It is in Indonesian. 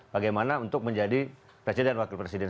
bagaimana untuk menjadi presiden dan wakil presiden